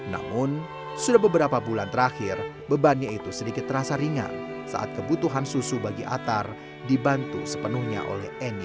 namun sudah beberapa bulan terakhir bebannya itu sedikit terasa ringan saat kebutuhan susu bagi atar dibantu sepenuhnya oleh eni